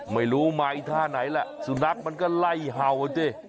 ไม่รู้มาอีกท่าไหนแหละสุนัขมันก็ไล่เห่าอ่ะสิ